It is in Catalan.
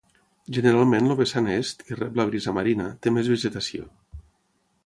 Generalment el vessant est, que rep la brisa marina, té més vegetació.